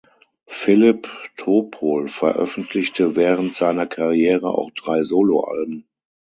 Filip Topol veröffentlichte während seiner Karriere auch drei Soloalben.